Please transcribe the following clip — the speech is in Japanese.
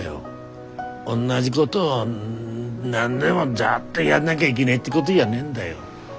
おんなじごどを何でもずっとやんなぎゃいけねえってごどじゃねえんだよ。